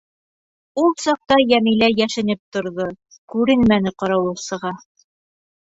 Ул саҡта Йәмилә йәшенеп торҙо, күренмәне ҡарауылсыға.